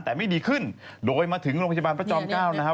แต่ไม่ดีขึ้นโดยมาถึงโรงพยาบาลประจำก้าว